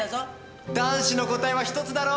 男子の答えは１つだろ？